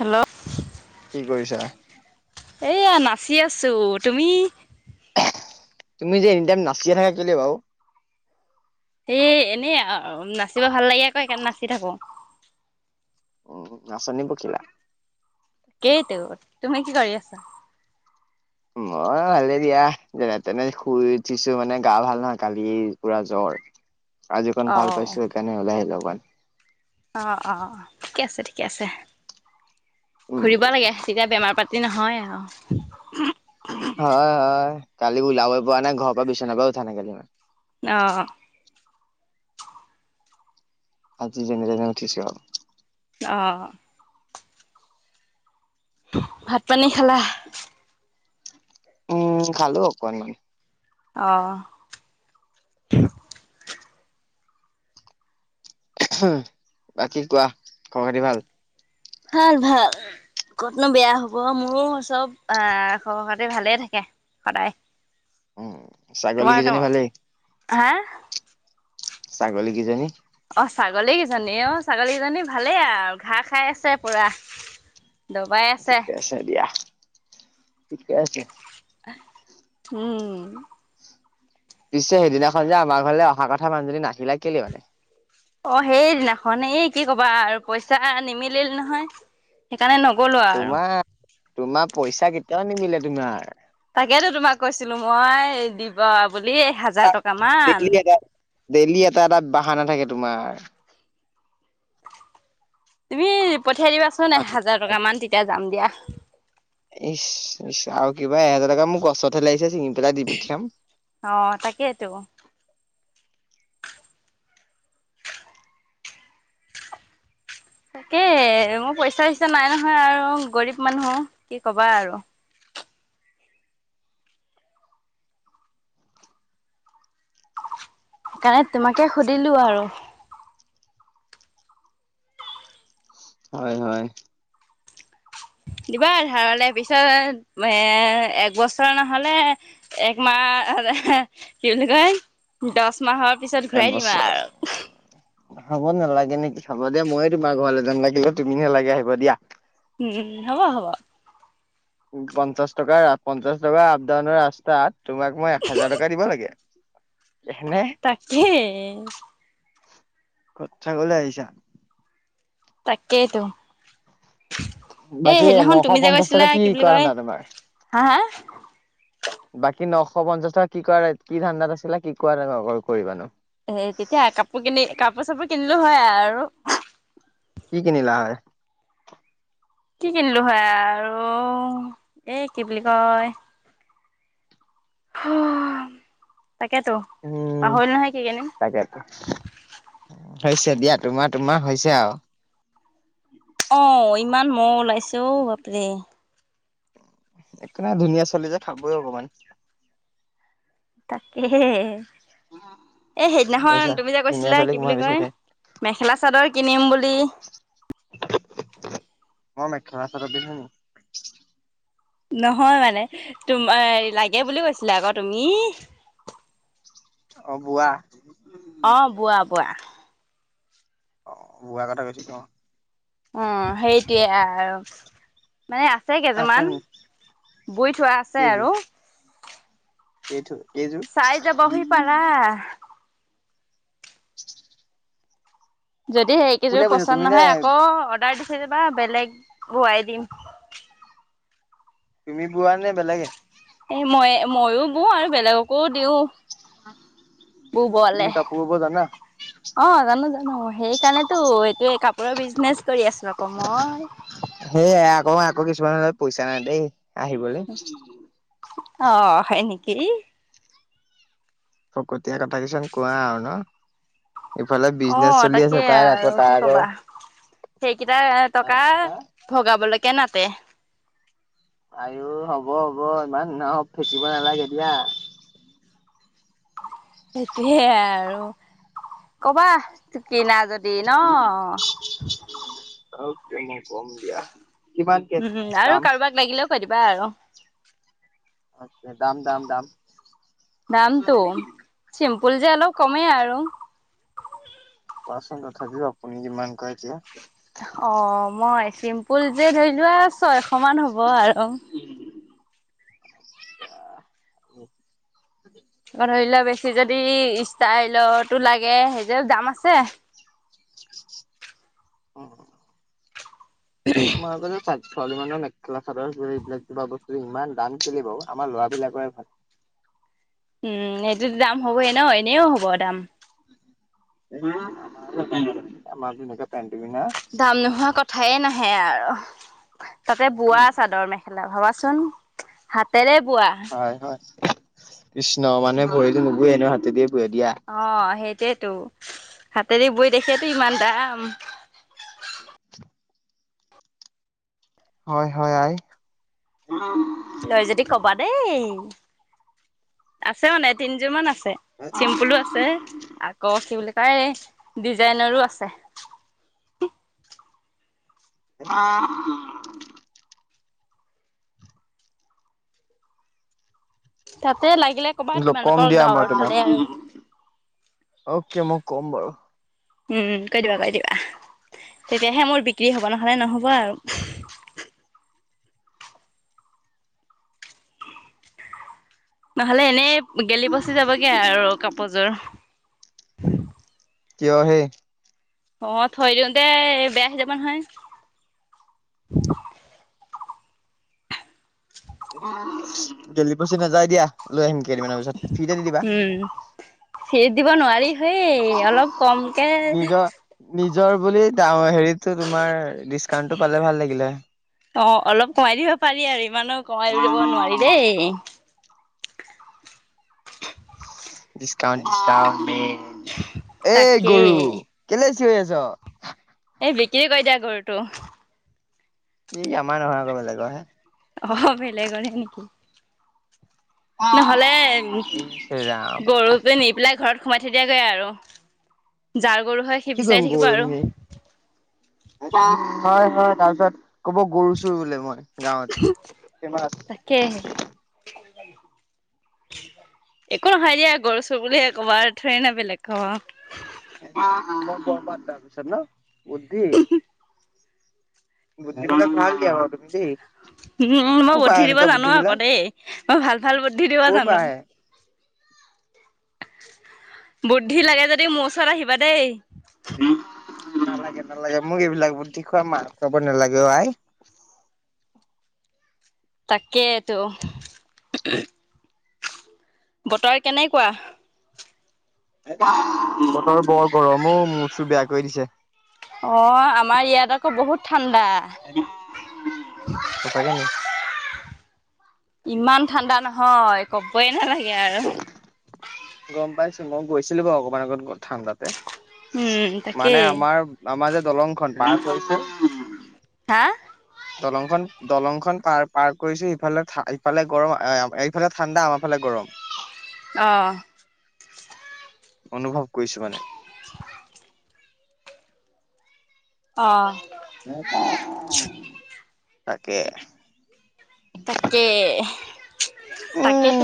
Hello কি কৰিছা? এইয়া নাচি আছো, তুমি? তুমি যে এনি টাইম নাচিয়ে থাকা কেলে বাও এ এনেই নাচিব ভাল লাগে আক সেইকাৰণে নাচি থাকো। উম নাচনী পখিলা কেইটো তুমি কি কৰি আছা? মই ভালে দিয়া যেনে তেনে শুই উঠিছো মানে গা ভাল নহয় কালি পুৰা জ্বৰ [inaudible] আজি অকন অ ভাল পাইছো সেইকাৰণে ওলাই আহিলো অকমান। অ অ, ঠিকে আছে ঠিকে আছে। উম, ঘুৰিব লাগে তেতিয়া বেমাৰ পাতি তি নহয় আৰু। হয় হয় কালি ওলাবই পৰা নাই ঘৰৰ পৰা বিছনাৰ পৰাই উঠা নাই কালি মই। অ। আজি যেনে তেনে উঠিছো আৰু। অ। ভাত পানী খালা? উম খালো অকনমান। অ। উম, বাকী কোৱা খবৰ খাতি ভাল? ভাল ভাল। কতনো বেয়া হ'ব মোৰ চব আহ খবৰ খাটি ভালে থাকে সদায়। উম, ছাগলী তোমাৰ টো কেইজনী ভালেই? হা? ছাগলী কেইজনী। অ ছাগলীকেইজনী অ ছাগলীকেইজনী ভালেই আৰু ঘাঁহ খাই আছে পুৰা। ঠিকে আছে দিয়া, ঠিকে আছে। উম। পিছে সেইদিনাখন যে আমাৰ ঘৰলৈ অহা কথা মানুহজনী নাহিলা কেলে মানে? অ সেইদিনাখন, এই কি কবা আৰু পইচা নিমিলিল নহয়। সেইকাৰণে নগ'লো আ তোমাৰ তোমাৰ পইচা কেতিয়াও নিমিলে তোমাৰ। তাকেতো তোমাক কৈছিলো মই দিবা বুলি। হাজাৰ টকা মান ডেইলি এটা ডেইলি এটা এটা বাহানা থাকে তোমাৰ। তুমি পঠিয়াই দিবাচোন একহাজাৰ টকা মান তেতিয়া যাম দিয়া। ইচ ইচ আৰু কিবা, এহেজাৰ টকা মোৰ গছতহে লাগিছে চিঙি পেলাই দি পঠিয়াম। অ তাকেইতো। তাকে মোৰ পইচা চইচা নাই নহয় আৰু গৰীব মানুহ, কি কবা আৰু। সেইকাৰণে তোমাকে সুধিলো আৰু। হয় হয়। দিবা ধাৰলৈ পিছত এ একবছৰ নহলে একমাহ কি বুলি কয় দছ মাহৰ পিছত ঘূৰাই দিম এবছৰ আৰু। হ'ব নালাগে নেকি হ'ব দিয়া ময়ে তোমাৰ ঘৰলৈ যাম লাগিলে তুমি নালাগে আহিব দিয়া। উম হ'ব হ'ব। পঞ্চাশ টকাৰ পঞ্চাশ টকা আপ ডাউনৰ ৰাস্তাত তোমাক মই এক হেজাৰ টকা দিব লাগে। হেনে। তাকেই। কথা কবলে আহিছা। তাকেইতো। এ বাকী সেইদিনাখন নশ তুমি যে পঞ্চাশ টকা কৈছিলা কি বুলি কৰা কয়, ধান্দা তোমাৰ? হা হা? বাকী নশ পঞ্চাশ টকা কি কৰা কি ধান্দাত আছিলা, কি [unintelligible] কৰিবানো? এ তেতিয়া কাপোৰ কিনি কাপোৰ চাপোৰ কিনিলো হয় আৰু। কি কিনিলা হয়? কি কিনিলো হয় আৰু এ কি বুলি কয় হা, তাকেতো, পাহৰিলো নহয় কি কিনিম। তাকে। হৈছে দিয়া তোমাৰ তোমাৰ হৈছে আৰু। অ, ইমান মহ ওলাইছে ঔ বাপৰে। একো নাই ধুনীয়া ছোৱালী যে খাবই অকমান। তাকেহে, এ গম সেইদিনাখন পাইছা তুমি যে ধুনীয়া কৈছিলা কি ছোৱালীক বুলি মই বেছি কয় খাই মেখেলা চাদৰ কিনিম বুলি মই মেখেলা চাদৰ [unintelligible] নহয় মানে, তোম এই লাগে বুলি কৈছিলা আকৌ তুমি। অ, বোৱা। অ, বোৱা বোৱা। অ, বোৱা কথা কৈছিলোঁ অ, উম সেইটিয়ে আৰু। মানে আছে কেইযোৰমান, বুই থোৱা আছে আৰু। সেইটোৱে, কেইযোৰ? চাই যাবহি [unintelligible] [unintelligible] যদি কোনে সেইকেইযোৰ কৈছে তুমি পচন্দ নে নহয় আকৌ অৰ্ডাৰ দি থৈ যাবা বেলেগ বোৱাই দিম। তুমি বোৱা নে বেলেগে? এ মই মইয়ো বওঁ আৰু বেলেগকো দিওঁ। [unintelligible] তুমি বুবলে। কাপোৰ বব জানা? অ, জানো জানো সেইকাৰণেতো এইটোৱে কাপোৰৰ বিজনেচ কৰি আছোঁ আকৌ মই। সেয়াই, আকৌ আকৌ কিছুমান [unintelligible] পইচা নাই দেই, আহিবলে। অ, হয় নেকি? ফকতিয়া কথা কিছুমান কোৱা আৰু ন। এফালে অ বিজনেচ চলি তাকে আছে তাইৰ আৰু আকৌ কি তাইৰ আকৌ কবা সেইকেইটা আ টকা, ভগাবলৈকে নাতে। আইও হ'ব হ'ব, ইমান [unintelligible] ফেকিব নালাগে দিয়া। সেইটোহেই আৰু, ক'বা কিনা যদ দি ন। অকে মই কম দিয়া। কিমানকে উম, আৰু দাম? কাৰোবাক লাগিলেও কৈ দিবা আৰু। আচ্ছা, দাম, দাম, দাম? দামটো, চিম্পুল যে অলপ কমেই আৰু। কোৱাচোন তথাপিও আপুনি কিমান কয় এতিয়া। অ, মই চিম্পুল যে ধৰি লোৱা ছয়শ মান হ'ব আৰু। [unintelligible] আক' ধৰি লোৱা বেছি যদি ষ্টাইলৰতো লাগে সেইযোৰৰ দাম আছে। অ', তোমাৰ [unintelligible] ছোৱালী মানুহৰ মেখেলা-চাদৰবোৰ এইবিলাক কিবা বস্তু ইমান দাম কেলে বাউ আমাৰ ল'ৰাবিলাকৰে ভাল। উম, সেইটোত দাম হ'বই ন এনেও হ'ব দাম। আমাৰ যেনেকে পেণ্ট [unintelligible] দাম নোহোৱা কথায়ে নাহে আৰু। তাতে বোৱা চাদৰ-মেখেলা ভবাচোন, হাতেৰে বোৱা। হয় হয় কৃষ্ণ মানে ভৰিতো নুবুয়ে এনেও হাতে দিয়ে বুয়ে দিয়া। অ সেইটোৱেতো হাতেদি বোৱে দেখিতো ইমান দাম। [unintelligible] হয় হয় [unintelligible] লৈ যদি কবা দেই, আছে মানে তিনিযোৰ মান আছে। চিম্পুলো আছে আকৌ কি বুলি কয় ডিজাইনৰো আছে। [unintelligible] তাতে লাগিলে ক'বা কম তোমালোকৰ দিয়া আমাৰ গাঁৱৰ ফালে আৰু তোমাক, অকে মই কম বাৰু। উম কৈ দিবা, কৈ দিবা। তেতিয়াহে মোৰ বিক্ৰী হ'ব নহ'লে নহ'ব আৰু। নহ'লে এনেই গেলি পচি যাবগে আৰু কাপোৰযোৰ। কয়হে অ থৈ দিওঁ তে বেয়া হৈ যাবা নহয়। [inaudible] গেলি পচি নাযায় দিয়া লৈ আহিম কেইদিনমানৰ পিছত, ফ্ৰীতে দি দিবা। ফ্ৰীতে দিব নোৱাৰি, হে অলপ কমকে নিজৰ নিজৰ বুলি হেৰিতো তোমাৰ ডিচকাউন্টটো পালে ভাল লাগিলে। অ অলপ কমাই দিব পাৰি আৰু ইমানো কমাই দিব নোৱাৰি দেই। ডিছকাউণ্ট ডিছকাউণ্ট এই গৰু তাকেই কেলেই চিঞৰি আছো। এই বিক্ৰী কৰি দিয়া গৰুটো। ই আমাৰ নহয় আকৌ বেলেগৰ হে। অ বেলেগৰ হে নেকি। নহ'লে ইচ ৰাম গৰুটো নি পেলাই ঘৰত সোমাই থৈ দিয়া গৈ আৰু। যাৰ গৰু হয় সি কি কৰিম বিচাৰি থাকিব আৰু। গৰুজনী হয় হয় তাৰপিছত কব গৰু চৰ বুলি মই গাঁৱত [inaudible] একো নহয় দিয়া গৰু চোৰ বুলি হে ক'ব আৰু থৰিনা বেলেগ ক'ব। অ অ [unintelligible] ন বুদ্ধি। বুদ্ধি [unintelligible] ভাল দিয়া তুমি বাৰু দেই। উম মই ক'ৰ পৰা বুদ্ধি আহে দিব এনেকুৱা জানো বুদ্ধি আকৌ বিলাক দেই, মই ভাল ভাল বুদ্ধি দিব ক'ৰ পৰা জানো। আহে বুদ্ধি লাগে যদি মোৰ ওচৰত আহিবা দেই। নালাগে নালাগে মোক এইবিলাক বুদ্ধি খোৱা মা খাব নালাগে অ আই। তাকেটো। বতৰ কেনেকুৱা? বতৰ বৰ গৰমো ও মূৰ-সুৰ বেয়া কৰি দিছে। অ আমাৰ ইয়াত আকৌ বহুত ঠাণ্ডা। সঁচাকে নি? ইমান ঠাণ্ডা নহয় ক'বই নালাগে আৰু। গম পাইছো মই গৈছিলো বাৰু অকমান আগত ঠাণ্ডাতে। উম মানে তাকেই আমাৰ আমাৰ যে দলং খন পাৰ [unintelligible] হা? দলংখন দলংখন পাৰ পাৰ কৰিছো ইফালে ইফালে গৰম এইফালে ঠাণ্ডা আমাৰ ফালে গৰম। অ। অনুভৱ কইছো মানে। [unintelligible] অ', তাকে। তাকেহ।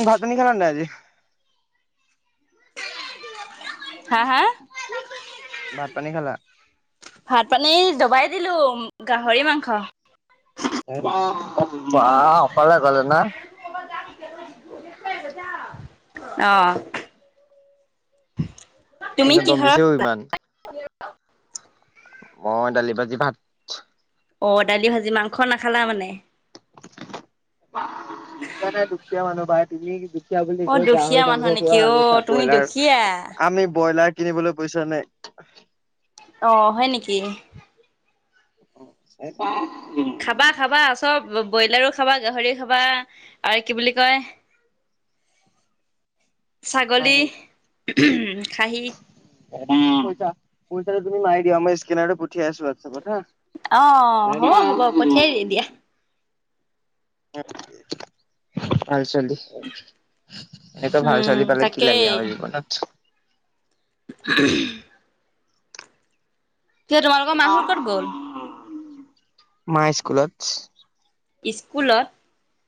ভাত-পানী খালে নে নাই আজি? হা, হা। ভাত-পানী খালা? ভাত-পানী দবাই দিলো, গাহৰি মাংস। [unintelligible] বা', অকলে গলে না। অ', তুমি কোনে দম কিহৰ দিছে অ ইমান [unintelligible] অ', দালি, ভাজি, ভাত। অ', দালি, ভাজি। মাংস নাখালা মানে? [unintelligible] দুখীয়া মানুহ ভাই তুমি। কিয়া বুলি অ', কৈ দুখীয়া গাহৰি মানুহ মাংস নেকি খোৱা। আমি অ', চাপ তুমি ব্ৰইলাৰ, দুখীয়া আমি ব্ৰইলাৰ কিনিবলৈ পইচা নাই। অ', হয় নেকি? [unintelligible] খাবা, খাবা। চব বইলাৰো খাবা, গাহৰিও খাবা আৰু কি বুলি কয় ছাগলী, খাহী। পইচা। পইচাটো তুমি মাৰি দিয়া। মই ইস্কেনাৰটো পঠিয়াই আছোঁ হোৱাটছএপত, হা। অ', হ'ব, হ'ব পঠিয়াই দি দিয়াহ। ভাল ছোৱালী। সেইটো ভাল উম ছোৱালী পালে কি তাকেই লাগে আৰু জিবনত। [unintelligible] এতিয়া তোমালোকৰ অ, মাহত ক'ত গ'ল মাই স্কুলতছ। ইস্কুলত,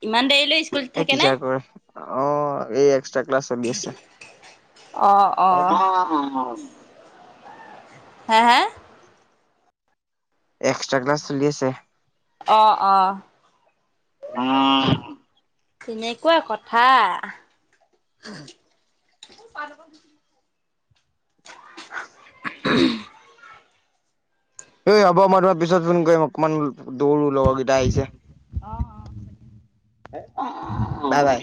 ইমান দেৰিলে ইস এ, টিছাৰ কৰে। অ', এ এক্সট্ৰা ক্লাছ চলি আছে। অ', অ', হে, হে। এক্সট্ৰা ক্লাছ চলি আছে। অ, অ। [unintelligible] ইনেকুৱা কথা। [unintelligible] [unintelligible] এই হ'ব, মই তোমাৰ পিছত ফোন কৰিম। অকমান দৌৰোঁ, লগৰকেইটা অ', আহিছে। অ', বাই, বাই।